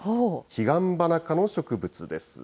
ヒガンバナ科の植物です。